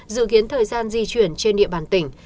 dự kiến thời gian di chuyển trên địa bàn tỉnh